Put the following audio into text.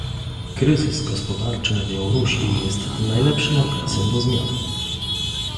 Kryzys gospodarczy na Białorusi jest najlepszym okresem do zmian